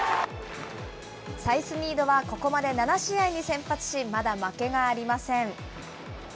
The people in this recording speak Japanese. サイスニードは、ここまで７試合に先発し、まだ負けがありません。